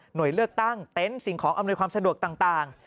โดยเลือกตั้งเต็นต์สิ่งของอำนวยความสะดวกต่าง